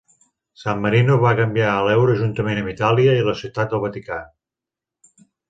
San Marino va canviar a l'euro juntament amb Itàlia i la Ciutat del Vaticà.